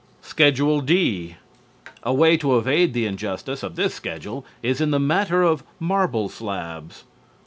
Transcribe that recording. Schedule D A way to evade the injustice of this schedule is in the matter of marble slabs.